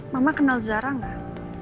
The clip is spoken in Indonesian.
mama kenal zara enggak